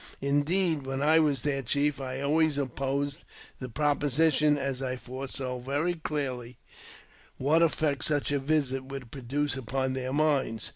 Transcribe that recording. Indeed, when I was their chief, I always opposed the proposition, as I foresaw very clearly what effect such a visit would produce upon their minds.